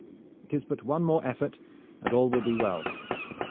It is but one more effort, and all will be well.